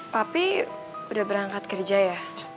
papi udah berangkat kerja ya